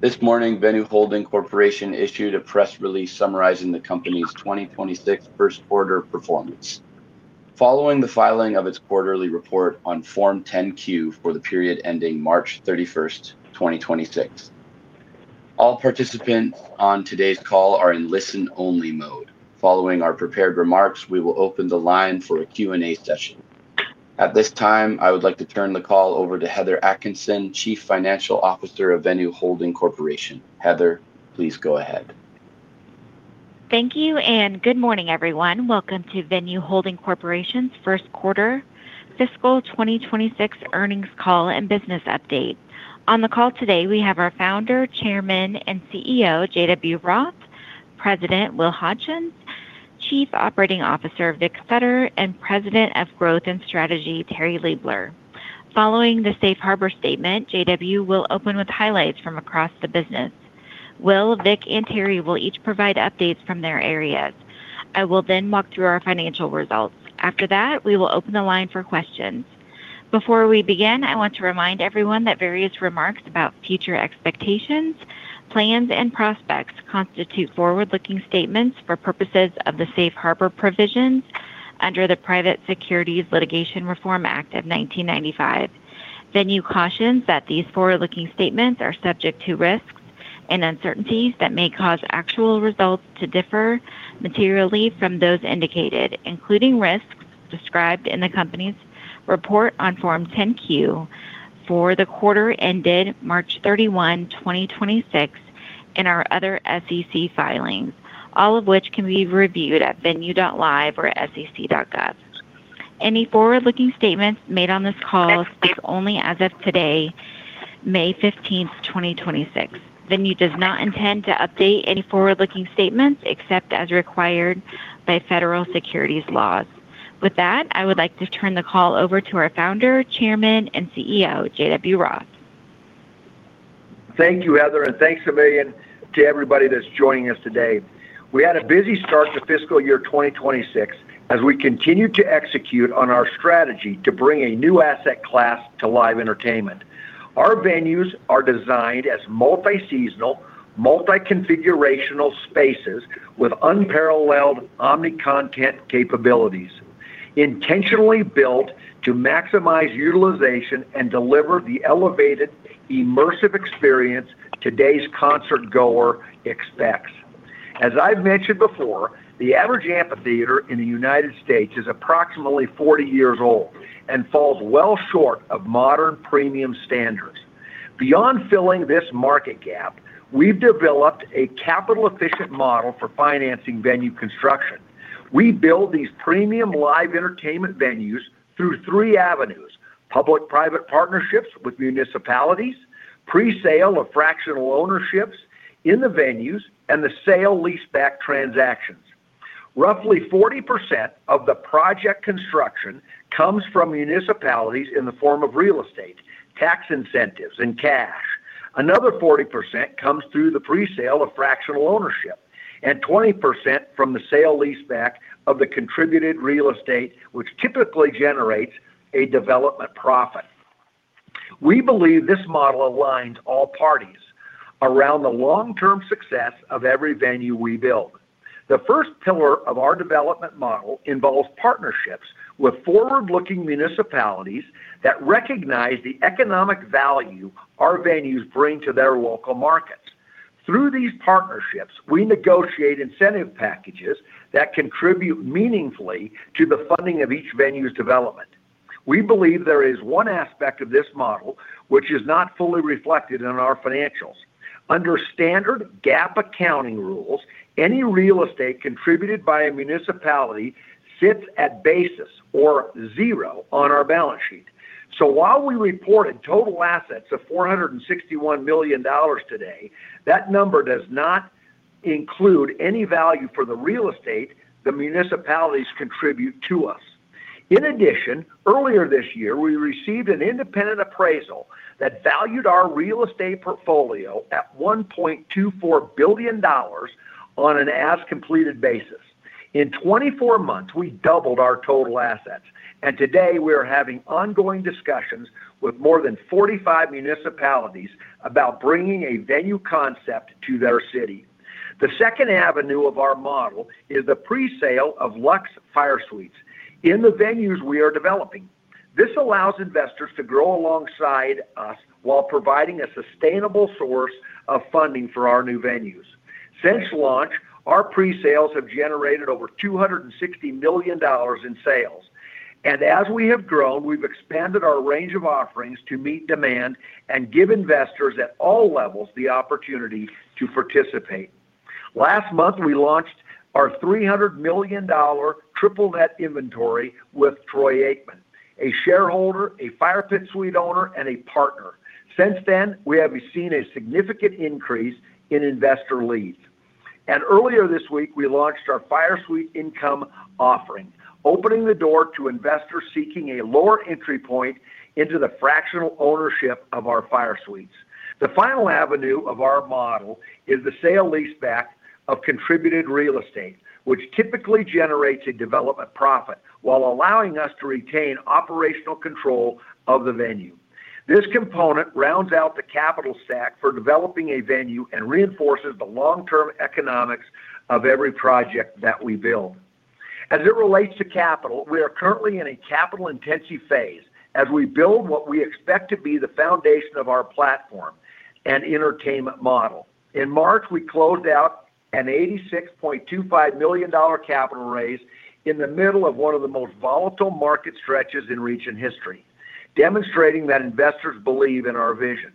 This morning, Venu Holding Corporation issued a press release summarizing the company's 2026 first quarter performance. Following the filing of its quarterly report on Form 10-Q for the period ending March 31, 2026. All participants on today's call are in listen-only mode. Following our prepared remarks, we will open the line for a Q&A session. At this time, I would like to turn the call over to Heather Atkinson, Chief Financial Officer of Venu Holding Corporation. Heather, please go ahead. Thank you, and good morning, everyone. Welcome to Venu Holding Corporation's first quarter fiscal 2026 earnings call and business update. On the call today, we have our Founder, Chairman, and CEO, J.W. Roth, President Will Hodgson, Chief Operating Officer Vic Sutter, and President of Growth & Strategy, Terri Liebler. Following the safe harbor statement, J.W. will open with highlights from across the business. Will, Vic, and Terri will each provide updates from their areas. I will then walk through our financial results. After that, we will open the line for questions. Before we begin, I want to remind everyone that various remarks about future expectations, plans, and prospects constitute forward-looking statements for purposes of the safe harbor provisions under the Private Securities Litigation Reform Act of 1995. Venu cautions that these forward-looking statements are subject to risks and uncertainties that may cause actual results to differ materially from those indicated, including risks described in the company's report on Form 10-Q for the quarter ended March 31, 2026, and our other SEC filings, all of which can be reviewed at venu.live or sec.gov. Any forward-looking statements made on this call speak only as of today, May 15, 2026. Venu does not intend to update any forward-looking statements except as required by federal securities laws. With that, I would like to turn the call over to our Founder, Chairman, and CEO, J.W. Roth. Thank you, Heather, and thanks a million to everybody that's joining us today. We had a busy start to fiscal year 2026 as we continued to execute on our strategy to bring a new asset class to live entertainment. Our venues are designed as multi-seasonal, multi-configurational spaces with unparalleled omni-content capabilities, intentionally built to maximize utilization and deliver the elevated immersive experience today's concertgoer expects. As I've mentioned before, the average amphitheater in the U.S. is approximately 40 years old and falls well short of modern premium standards. Beyond filling this market gap, we've developed a capital-efficient model for financing venue construction. We build these premium live entertainment venues through three avenues: public-private partnerships with municipalities, pre-sale of fractional ownerships in the venues, and the sale leaseback transactions. Roughly 40% of the project construction comes from municipalities in the form of real estate, tax incentives, and cash. Another 40% comes through the pre-sale of fractional ownership, and 20% from the sale leaseback of the contributed real estate, which typically generates a development profit. We believe this model aligns all parties around the long-term success of every venue we build. The first pillar of our development model involves partnerships with forward-looking municipalities that recognize the economic value our venues bring to their local markets. Through these partnerships, we negotiate incentive packages that contribute meaningfully to the funding of each venue's development. We believe there is one aspect of this model which is not fully reflected in our financials. Under standard GAAP accounting rules, any real estate contributed by a municipality sits at basis or zero on our balance sheet. While we reported total assets of $461 million today, that number does not include any value for the real estate the municipalities contribute to us. In addition, earlier this year, we received an independent appraisal that valued our real estate portfolio at $1.24 billion on an as-completed basis. In 24 months, we doubled our total assets, and today we are having ongoing discussions with more than 45 municipalities about bringing a Venu concept to their city. The second avenue of our model is the pre-sale of Luxe FireSuites in the venues we are developing. This allows investors to grow alongside us while providing a sustainable source of funding for our new venues. Since launch, our pre-sales have generated over $260 million in sales. As we have grown, we've expanded our range of offerings to meet demand and give investors at all levels the opportunity to participate. Last month, we launched our $300 million triple net inventory with Troy Aikman, a shareholder, a FireSuite owner, and a partner. Since then, we have seen a significant increase in investor leads. Earlier this week, we launched our FireSuite Income Offering, opening the door to investors seeking a lower entry point into the fractional ownership of our FireSuites. The final avenue of our model is the sale leaseback of contributed real estate, which typically generates a development profit while allowing us to retain operational control of the venue. This component rounds out the capital stack for developing a venue and reinforces the long-term economics of every project that we build. As it relates to capital, we are currently in a capital-intensive phase as we build what we expect to be the foundation of our platform and entertainment model. In March, we closed out a $86.25 million capital raise in the middle of one of the most volatile market stretches in recent history, demonstrating that investors believe in our vision.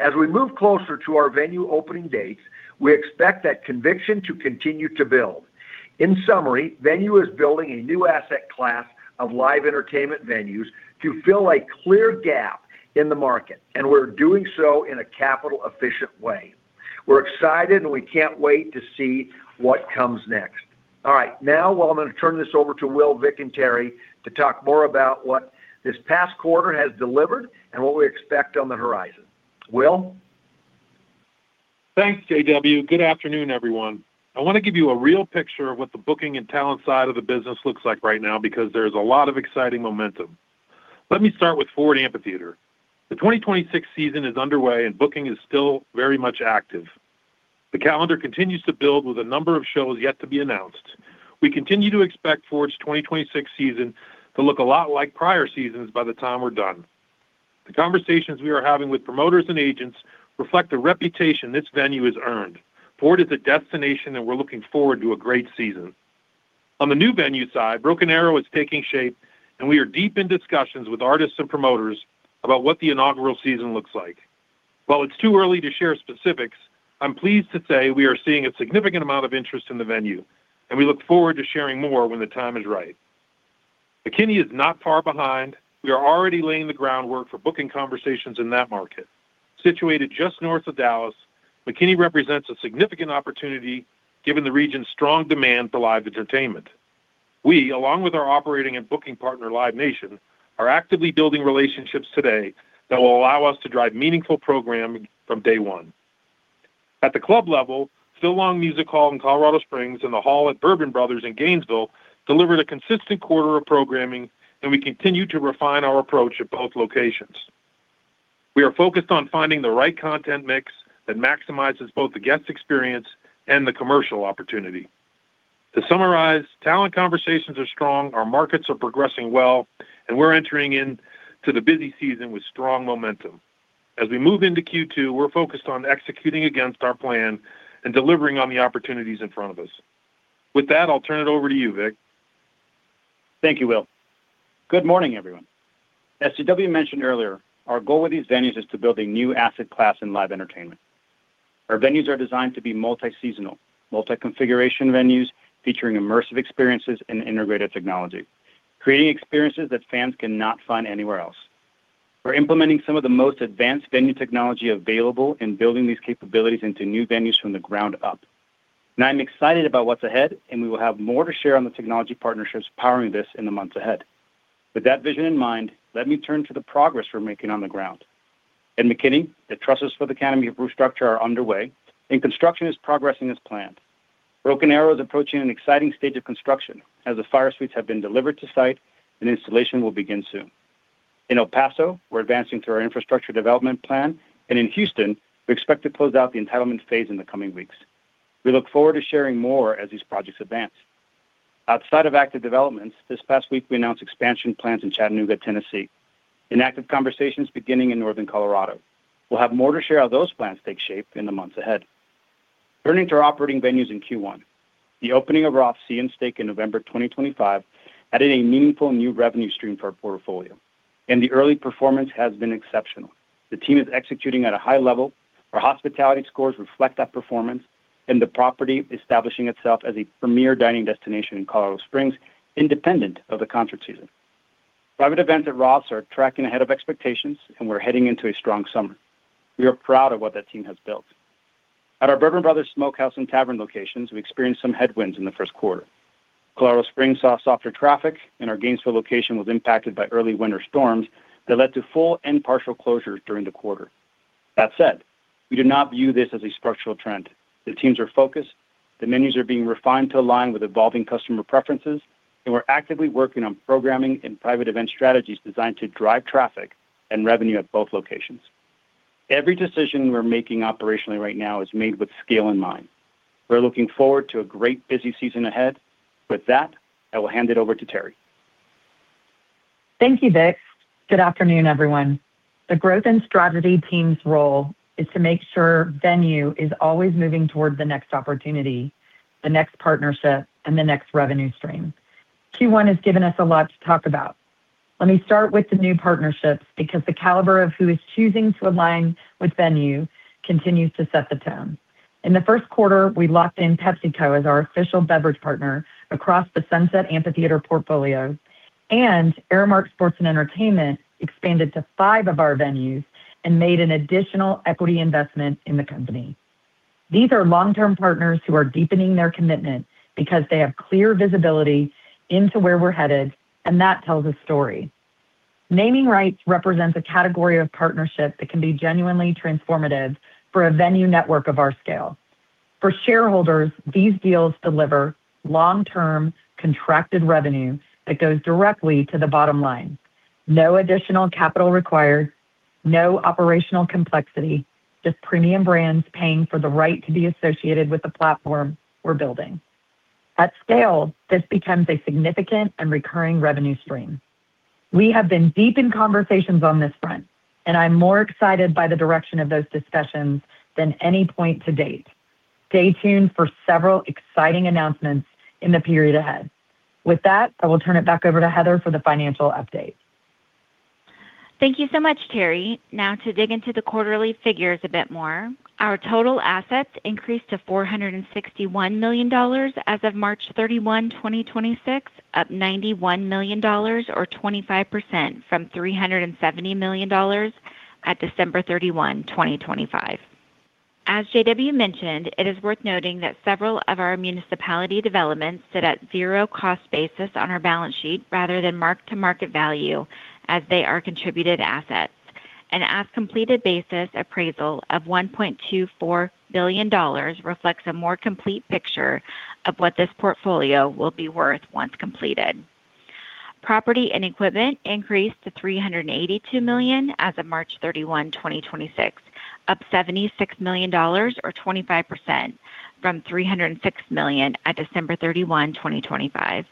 As we move closer to our Venu opening dates, we expect that conviction to continue to build. In summary, Venu is building a new asset class of live entertainment venues to fill a clear gap in the market, and we're doing so in a capital-efficient way. We're excited. We can't wait to see what comes next. All right, now, well, I'm going to turn this over to Will, Vic, and Terri to talk more about what this past quarter has delivered and what we expect on the horizon. Will? Thanks, J.W. Good afternoon, everyone. I want to give you a real picture of what the booking and talent side of the business looks like right now because there's a lot of exciting momentum. Let me start with Ford Amphitheater. The 2026 season is underway, and booking is still very much active. The calendar continues to build with a number of shows yet to be announced. We continue to expect Ford's 2026 season to look a lot like prior seasons by the time we're done. The conversations we are having with promoters and agents reflect the reputation this venue has earned. Ford is a destination, and we're looking forward to a great season. On the new venue side, Broken Arrow is taking shape, and we are deep in discussions with artists and promoters about what the inaugural season looks like. While it's too early to share specifics, I'm pleased to say we are seeing a significant amount of interest in the Venu, and we look forward to sharing more when the time is right. McKinney is not far behind. We are already laying the groundwork for booking conversations in that market. Situated just north of Dallas, McKinney represents a significant opportunity given the region's strong demand for live entertainment. We, along with our operating and booking partner, Live Nation, are actively building relationships today that will allow us to drive meaningful programming from day one. At the club level, Phil Long Music Hall in Colorado Springs and The Hall at Bourbon Brothers in Gainesville, Georgia delivered a consistent quarter of programming, and we continue to refine our approach at both locations. We are focused on finding the right content mix that maximizes both the guest experience and the commercial opportunity. To summarize, talent conversations are strong, our markets are progressing well, and we're entering in to the busy season with strong momentum. As we move into Q2, we're focused on executing against our plan and delivering on the opportunities in front of us. With that, I'll turn it over to you, Vic. Thank you, Will. Good morning, everyone. As J.W. mentioned earlier, our goal with these venues is to build a new asset class in live entertainment. Our venues are designed to be multi-seasonal, multi-configuration venues featuring immersive experiences and integrated technology, creating experiences that fans cannot find anywhere else. We're implementing some of the most advanced venue technology available and building these capabilities into new venues from the ground up. I'm excited about what's ahead. We will have more to share on the technology partnerships powering this in the months ahead. With that vision in mind, let me turn to the progress we're making on the ground. In McKinney, the trusses for the canopy of roof structure are underway. Construction is progressing as planned. Broken Arrow is approaching an exciting stage of construction as the FireSuites have been delivered to site. Installation will begin soon. In El Paso, we're advancing through our infrastructure development plan, and in Houston, we expect to close out the entitlement phase in the coming weeks. We look forward to sharing more as these projects advance. Outside of active developments, this past week we announced expansion plans in Chattanooga, Tennessee, and active conversations beginning in northern Colorado. We'll have more to share how those plans take shape in the months ahead. Turning to our operating venues in Q1, the opening of Roth's Sea & Steak in November 2025 added a meaningful new revenue stream for our portfolio, and the early performance has been exceptional. The team is executing at a high level. Our hospitality scores reflect that performance, and the property establishing itself as a premier dining destination in Colorado Springs independent of the concert season. Private events at Roth's are tracking ahead of expectations, and we're heading into a strong summer. We are proud of what that team has built. At our Bourbon Brothers Smokehouse & Tavern locations, we experienced some headwinds in the first quarter. Colorado Springs saw softer traffic, and our Gainesville location was impacted by early winter storms that led to full and partial closures during the quarter. That said, we do not view this as a structural trend. The teams are focused. The menus are being refined to align with evolving customer preferences, and we're actively working on programming and private event strategies designed to drive traffic and revenue at both locations. Every decision we're making operationally right now is made with scale in mind. We're looking forward to a great busy season ahead. With that, I will hand it over to Terri. Thank you, Vic. Good afternoon, everyone. The growth and strategy team's role is to make sure Venu is always moving toward the next opportunity, the next partnership, and the next revenue stream. Q1 has given us a lot to talk about. Let me start with the new partnerships because the caliber of who is choosing to align with Venu continues to set the tone. In the first quarter, we locked in PepsiCo as our official beverage partner across the Sunset Amphitheater portfolio, and Aramark Sports + Entertainment expanded to five of our venues and made an additional equity investment in the company. These are long-term partners who are deepening their commitment because they have clear visibility into where we're headed, and that tells a story Naming rights represents a category of partnership that can be genuinely transformative for a venue network of our scale. For shareholders, these deals deliver long-term contracted revenue that goes directly to the bottom line. No additional capital required, no operational complexity, just premium brands paying for the right to be associated with the platform we're building. At scale, this becomes a significant and recurring revenue stream. We have been deep in conversations on this front, and I'm more excited by the direction of those discussions than any point to date. Stay tuned for several exciting announcements in the period ahead. With that, I will turn it back over to Heather for the financial update. Thank you so much, Terri. To dig into the quarterly figures a bit more. Our total assets increased to $461 million as of March 31, 2026, up $91 million or 25% from $370 million at December 31, 2025. As J.W. mentioned, it is worth noting that several of our municipality developments sit at zero cost basis on our balance sheet rather than mark-to-market value as they are contributed assets. An as-completed basis appraisal of $1.24 billion reflects a more complete picture of what this portfolio will be worth once completed. Property and equipment increased to $382 million as of March 31, 2026, up $76 million or 25% from $306 million at December 31, 2025.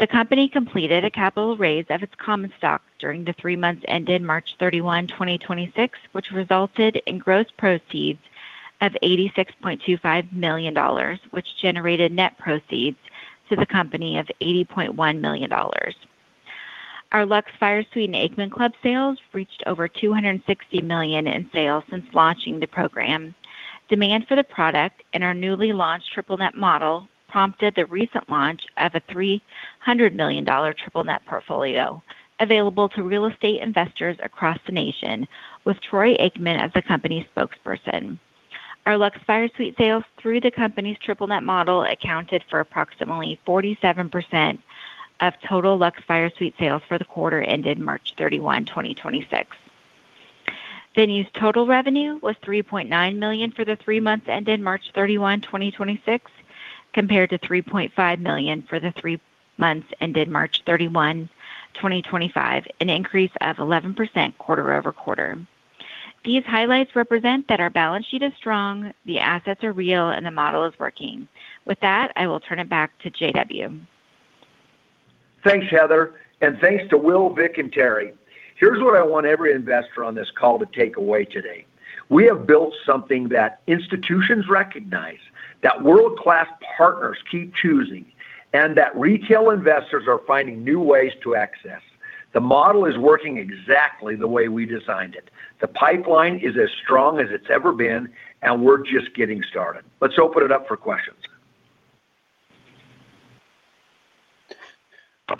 The company completed a capital raise of its common stock during the three months ended March 31, 2026, which resulted in gross proceeds of $86.25 million, which generated net proceeds to the company of $80.1 million. Our Luxe FireSuite and Aikman Club sales reached over $260 million in sales since launching the program. Demand for the product and our newly launched triple net model prompted the recent launch of a $300 million triple net portfolio available to real estate investors across the nation, with Troy Aikman as the company spokesperson. Our Luxe FireSuite sales through the company's triple net model accounted for approximately 47% of total Luxe FireSuite sales for the quarter ended March 31, 2026. Venu's total revenue was $3.9 million for the three months ended March 31, 2026, compared to $3.5 million for the three months ended March 31, 2025, an increase of 11% quarter-over-quarter. These highlights represent that our balance sheet is strong, the assets are real, and the model is working. With that, I will turn it back to J.W. Thanks, Heather, and thanks to Will, Vic, and Terri. Here's what I want every investor on this call to take away today. We have built something that institutions recognize, that world-class partners keep choosing, and that retail investors are finding new ways to access. The model is working exactly the way we designed it. The pipeline is as strong as it's ever been, and we're just getting started. Let's open it up for questions.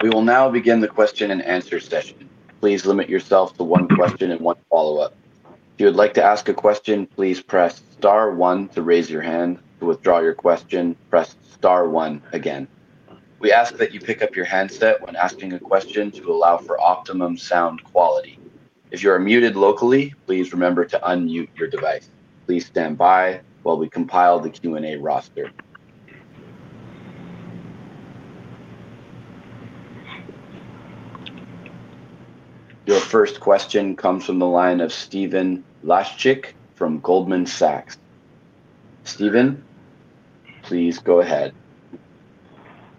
We will now begin the question-and-answer session. Please limit yourself to one question and one follow-up. If you would like to ask a question, please press star one to raise your hand. To withdraw your question, press star one again. We ask that you pick up your handset when asking a question to allow for optimum sound quality. If you are muted locally, please remember to unmute your device. Please stand by while we compile the Q&A roster. Your first question comes from the line of Stephen Laszczyk from Goldman Sachs. Stephen, please go ahead.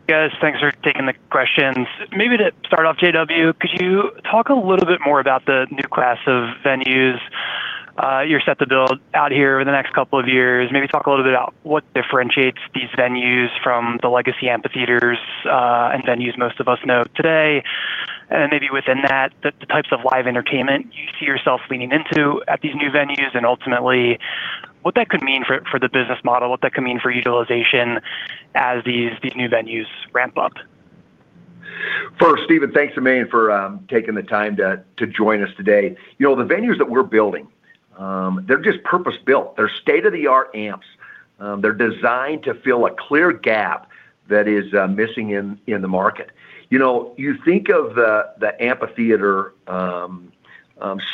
Yes, thanks for taking the questions. Maybe to start off, J.W., could you talk a little bit more about the new class of venues you're set to build out here over the next couple of years. Maybe talk a little bit about what differentiates these venues from the legacy amphitheaters and venues most of us know today. Then maybe within that, the types of live entertainment you see yourself leaning into at these new venues, and ultimately what that could mean for the business model, what that could mean for utilization as these new venues ramp up? First, Stephen, thanks a million for taking the time to join us today. You know, the venues that we're building, they're just purpose-built. They're state-of-the-art amps. They're designed to fill a clear gap that is missing in the market. You know, you think of the amphitheater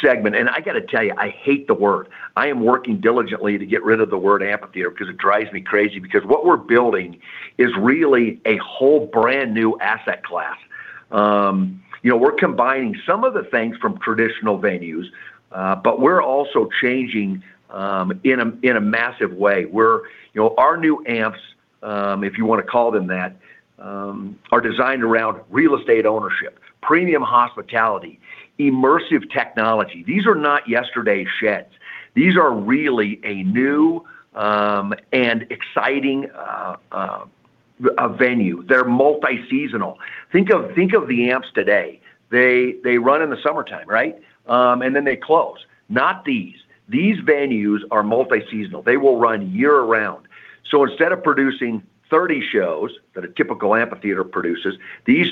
segment, and I gotta tell you, I hate the word. I am working diligently to get rid of the word amphitheater because it drives me crazy because what we're building is really a whole brand-new asset class. You know, we're combining some of the things from traditional venues, but we're also changing in a massive way. You know, our new amps, if you wanna call them that, are designed around real estate ownership, premium hospitality, immersive technology. These are not yesterday's sheds. These are really a new and exciting a venue. They're multi-seasonal. Think of the amps today. They run in the summertime, right? They close. Not these. These venues are multi-seasonal. They will run year-round. Instead of producing 30 shows that a typical amphitheater produces, these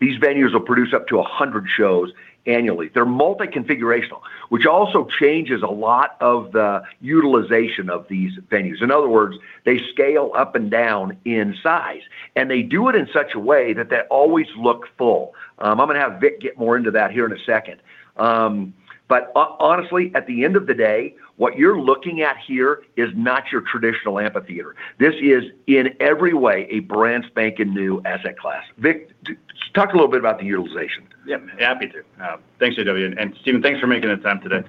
venues will produce up to 100 shows annually. They're multi-configurational, which also changes a lot of the utilization of these venues. In other words, they scale up and down in size, and they do it in such a way that they always look full. I'm gonna have Vic get more into that here in a second. Honestly, at the end of the day, what you're looking at here is not your traditional amphitheater. This is, in every way, a brand-spanking new asset class. Vic, talk a little bit about the utilization. Yeah, happy to. Thanks, J.W., and Stephen, thanks for making the time today.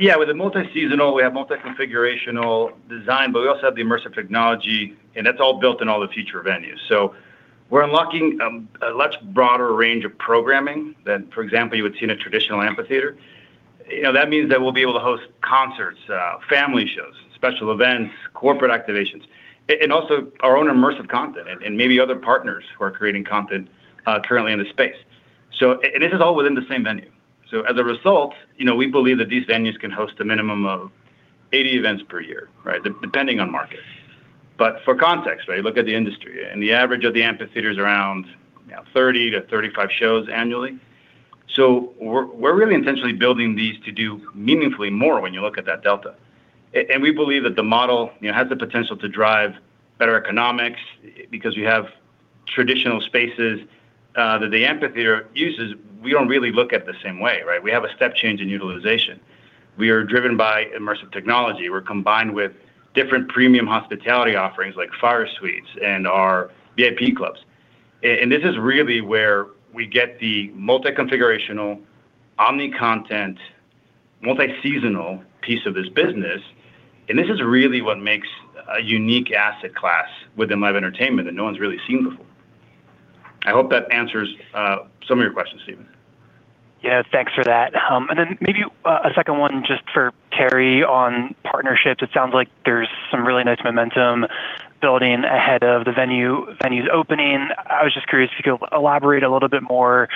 Yeah, with the multi-seasonal, we have multi-configurational design, but we also have the immersive technology, and that's all built in all the future venues. We're unlocking a much broader range of programming than, for example, you would see in a traditional amphitheater. You know, that means that we'll be able to host concerts, family shows, special events, corporate activations, and also our own immersive content and maybe other partners who are creating content, currently in the space. And this is all within the same venue. As a result, you know, we believe that these venues can host a minimum of 80 events per year, right? Depending on market. For context, right? You look at the industry, the average of the amphitheaters around, you know, 30-35 shows annually. We're really intentionally building these to do meaningfully more when you look at that delta. We believe that the model, you know, has the potential to drive better economics because we have traditional spaces that the amphitheater uses, we don't really look at the same way, right? We have a step change in utilization. We are driven by immersive technology. We're combined with different premium hospitality offerings like FireSuites and our VIP clubs. This is really where we get the multi-configurational omni-content multi-seasonal piece of this business, and this is really what makes a unique asset class within live entertainment that no one's really seen before. I hope that answers some of your questions, Stephen. Yeah, thanks for that. Maybe a second one just for Terri on partnerships. It sounds like there's some really nice momentum building ahead of the Venu's opening. I was just curious if you could elaborate a little bit more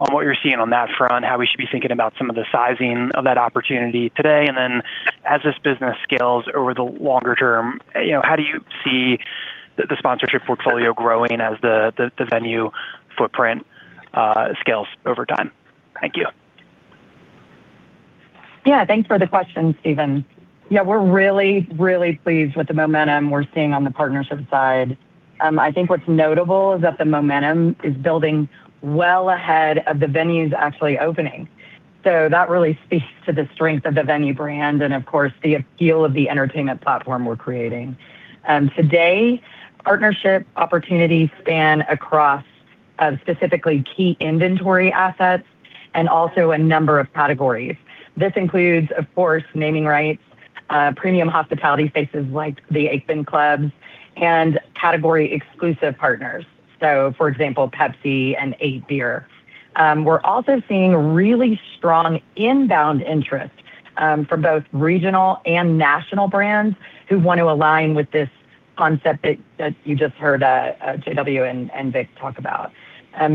on what you're seeing on that front, how we should be thinking about some of the sizing of that opportunity today, and then as this business scales over the longer term, you know, how do you see the sponsorship portfolio growing as the venue footprint scales over time? Thank you. Thanks for the question, Stephen. We're really pleased with the momentum we're seeing on the partnership side. I think what's notable is that the momentum is building well ahead of the venues actually opening. That really speaks to the strength of the Venu brand and of course the appeal of the entertainment platform we're creating. Today partnership opportunities span across specifically key inventory assets and also a number of categories. This includes, of course, naming rights, premium hospitality spaces like the Aikman Clubs and category-exclusive partners. For example, Pepsi and EIGHT. We're also seeing really strong inbound interest from both regional and national brands who want to align with this concept that you just heard J.W. and Vic talk about.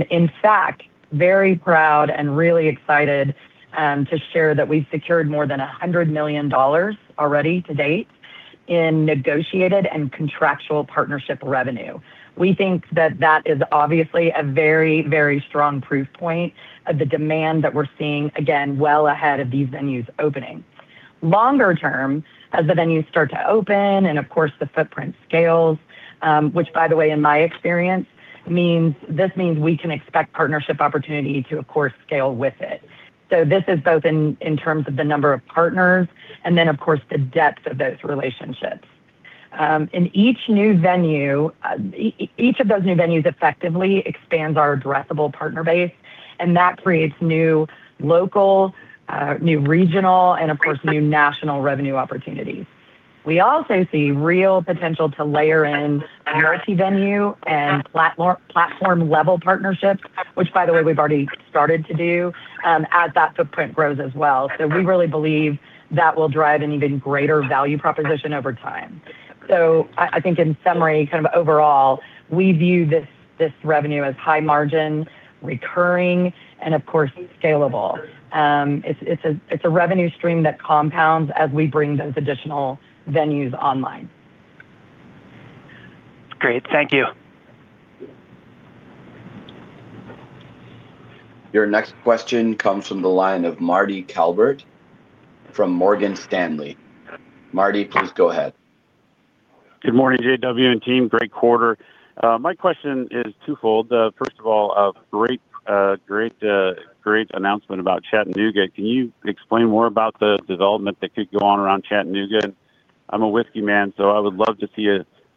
In fact, very proud and really excited to share that we secured more than $100 million already to date in negotiated and contractual partnership revenue. We think that that is obviously a very, very strong proof point of the demand that we're seeing, again, well ahead of these venues opening. Longer term, as the venues start to open and, of course, the footprint scales, which by the way, in my experience means, this means we can expect partnership opportunity to, of course, scale with it. This is both in terms of the number of partners and then of course the depth of those relationships. Each of those new venues effectively expands our addressable partner base, and that creates new local, new regional, and of course new national revenue opportunities. We also see real potential to layer in priority venue and platform-level partnerships, which by the way, we've already started to do, as that footprint grows as well. We really believe that will drive an even greater value proposition over time. I think in summary, kind of overall, we view this revenue as high margin, recurring, and of course scalable. It's, it's a, it's a revenue stream that compounds as we bring those additional venues online. Great. Thank you. Your next question comes from the line of Marty Calvert from Morgan Stanley. Marty, please go ahead. Good morning, J.W. and team. Great quarter. My question is twofold. First of all, a great, great announcement about Chattanooga. Can you explain more about the development that could go on around Chattanooga? I'm a whiskey man, so I would love to see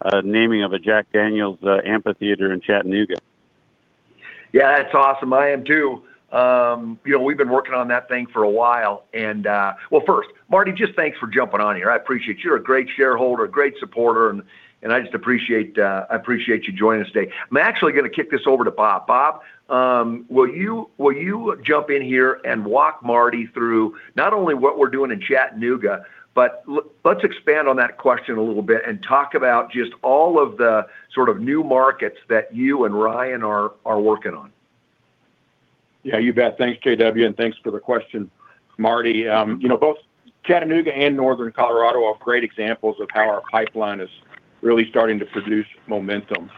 a naming of a Jack Daniel's amphitheater in Chattanooga. Yeah, that's awesome. I am too. you know, we've been working on that thing for a while and, first, Marty Calvert, just thanks for jumping on here. I appreciate. You're a great shareholder, a great supporter, and I just appreciate, I appreciate you joining us today. I'm actually gonna kick this over to Bob. Bob, will you jump in here and walk Marty Calvert through not only what we're doing in Chattanooga, but let's expand on that question a little bit and talk about just all of the sort of new markets that you and Ryan are working on. Yeah, you bet. Thanks, J.W., thanks for the question, Marty Calvert. You know, both Chattanooga and Northern Colorado are great examples of how our pipeline is really starting to produce momentum.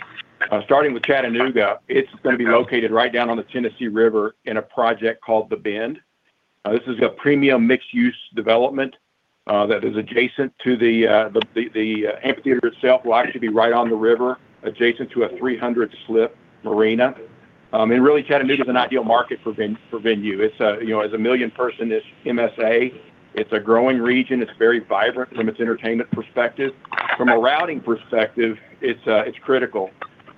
Starting with Chattanooga, it's gonna be located right down on the Tennessee River in a project called The Bend. This is a premium mixed-use development That is adjacent to the amphitheater itself will actually be right on the river, adjacent to a 300-slip marina. And really Chattanooga's an ideal market for Venu. It's a, you know, it's a 1 million person, it's MSA, it's a growing region, it's very vibrant from its entertainment perspective. From a routing perspective, it's critical.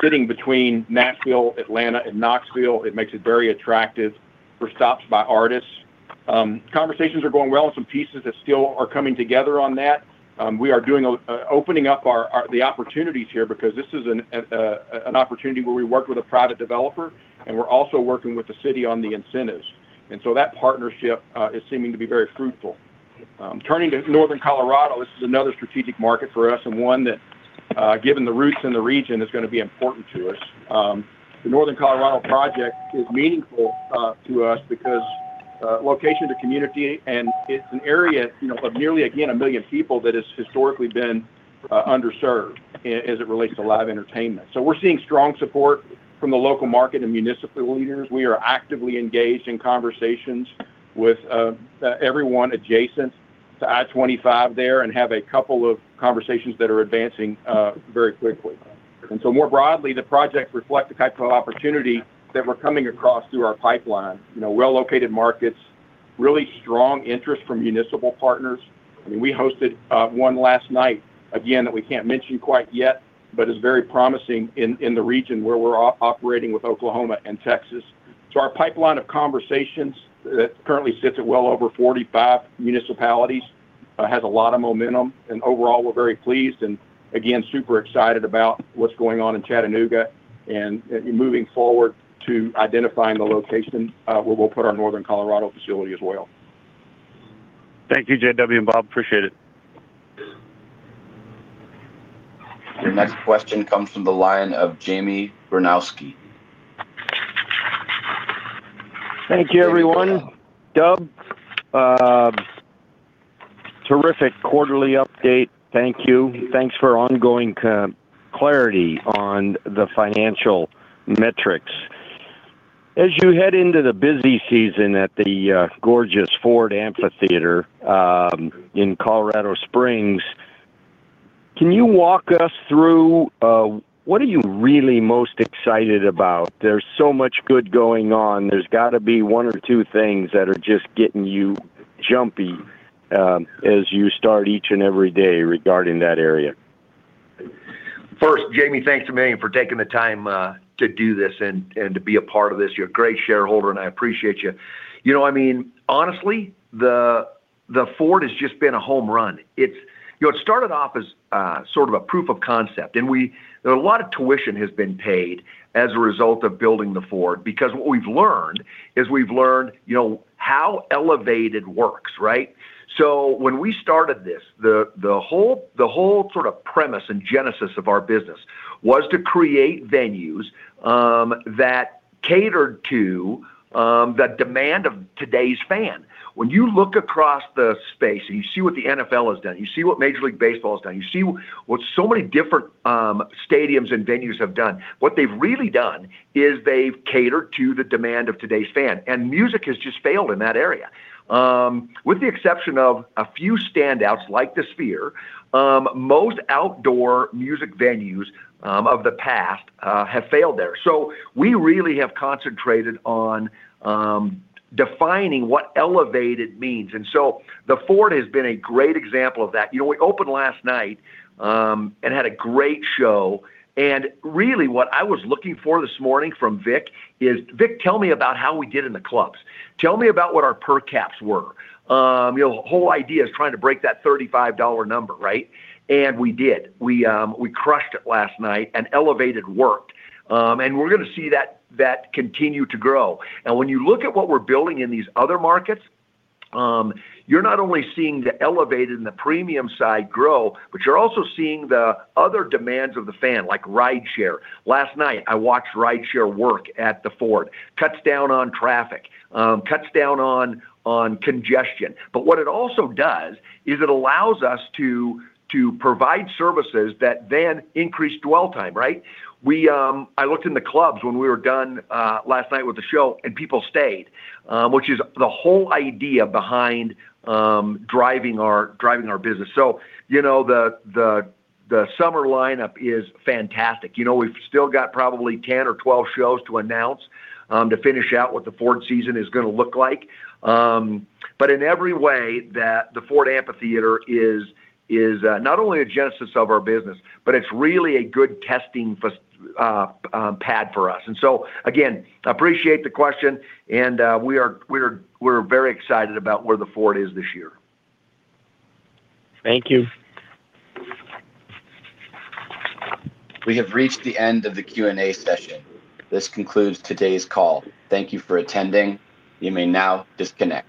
Sitting between Nashville, Atlanta and Knoxville, it makes it very attractive for stops by artists. Conversations are going well and some pieces that still are coming together on that. We are doing a, opening up our the opportunities here because this is an opportunity where we work with a private developer, and we're also working with the city on the incentives. That partnership is seeming to be very fruitful. Turning to Northern Colorado, this is another strategic market for us, and one that, given the roots in the region, is gonna be important to us. The Northern Colorado project is meaningful to us because location to community, and it's an area, you know, of nearly, again, 1 million people that has historically been underserved as it relates to live entertainment. We're seeing strong support from the local market and municipal leaders. We are actively engaged in conversations with everyone adjacent to I-25 there, and have a couple of conversations that are advancing very quickly. More broadly, the projects reflect the type of opportunity that we're coming across through our pipeline. You know, well-located markets, really strong interest from municipal partners. I mean, we hosted one last night, again, that we can't mention quite yet, but is very promising in the region where we're operating with Oklahoma and Texas. Our pipeline of conversations currently sits at well over 45 municipalities. Has a lot of momentum, and overall we're very pleased, and again, super excited about what's going on in Chattanooga and moving forward to identifying the location where we'll put our northern Colorado facility as well. Thank you J.W. and Bob, appreciate it. Your next question comes from the line of Jamie Burnoski. Thank you everyone. Dub, terrific quarterly update, thank you. Thanks for ongoing clarity on the financial metrics. As you head into the busy season at the gorgeous Ford Amphitheater in Colorado Springs, can you walk us through what are you really most excited about? There's so much good going on, there's gotta be one or two things that are just getting you jumpy as you start each and every day regarding that area. First, Jamie, thanks a million for taking the time to do this and to be a part of this. You're a great shareholder and I appreciate you. Honestly, the Ford has just been a home run. It's, it started off as sort of a proof of concept, and we, there a lot of tuition has been paid as a result of building the Ford because what we've learned is we've learned how elevated works, right? When we started this, the whole, the whole sort of premise and genesis of our business was to create venues that catered to the demand of today's fan. When you look across the space and you see what the NFL has done, you see what Major League Baseball has done, you see what so many different stadiums and venues have done, what they've really done is they've catered to the demand of today's fan, and music has just failed in that area. With the exception of a few standouts like the Sphere, most outdoor music venues of the past have failed there. We really have concentrated on defining what elevated means. The Ford has been a great example of that. You know, we opened last night and had a great show, and really what I was looking for this morning from Vic is, "Vic, tell me about how we did in the clubs. Tell me about what our per caps were." You know, whole idea is trying to break that $35 number, right? We did. We crushed it last night, and elevated worked. We're gonna see that continue to grow. When you look at what we're building in these other markets, you're not only seeing the elevated and the premium side grow, but you're also seeing the other demands of the fan, like rideshare. Last night I watched rideshare work at the Ford. Cuts down on traffic, cuts down on congestion. What it also does is it allows us to provide services that then increase dwell time, right? I looked in the clubs when we were done last night with the show, and people stayed, which is the whole idea behind driving our business. You know, the summer lineup is fantastic. You know, we've still got probably 10 or 12 shows to announce, to finish out what the Ford season is gonna look like. In every way that the Ford Amphitheater is not only a genesis of our business, but it's really a good testing path for us. Again, appreciate the question and we're very excited about where the Ford is this year. Thank you. We have reached the end of the Q&A session. This concludes today's call. Thank you for attending. You may now disconnect.